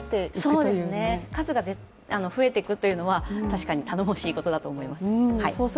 そうですね、数が増えていくというのは確かに頼もしいことだと思います。